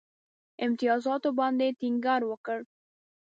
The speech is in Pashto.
امتیازاتو باندي ټینګار وکړ.